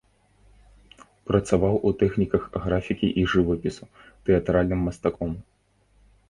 Працаваў у тэхніках графікі і жывапісу, тэатральным мастаком.